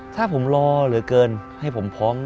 ถ้าผมรอเหลือเกินให้ผมพร้อม